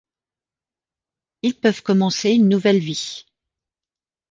Ils peuvent commencer une nouvelle vie.